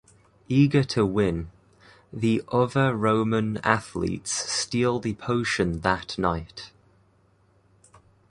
Eager to win, the other Roman athletes steal the potion that night.